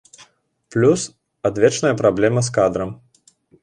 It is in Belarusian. Плюс адвечная праблема з кадрам.